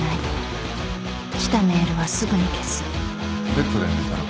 ベッドで寝たら？